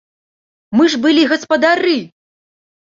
Мы ж былі гаспадары!